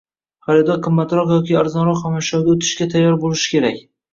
xaridor qimmatroq yoki arzonroq xomashyoga o‘tishga tayyor bo‘lish kerak.